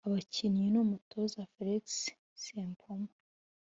Abakinnyi n’umutoza Felix Sempoma